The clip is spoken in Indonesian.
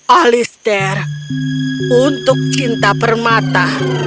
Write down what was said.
alistair untuk cinta permata